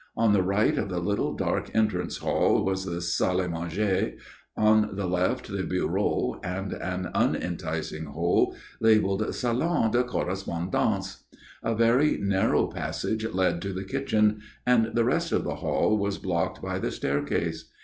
On the right of the little dark entrance hall was the salle à manger, on the left the bureau and an unenticing hole labelled salon de correspondance. A very narrow passage led to the kitchen, and the rest of the hall was blocked by the staircase.